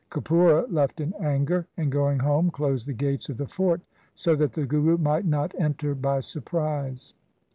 Kapura left in anger, and going home closed the gates of the fort, so that the Guru might not enter by sur prise.